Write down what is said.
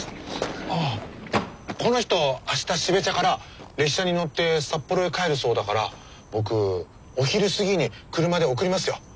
ああこの人明日標茶から列車に乗って札幌へ帰るそうだから僕お昼過ぎに車で送りますよ。